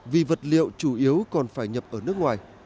vì vật liệu chủ yếu còn phải nhập ở nước ngoài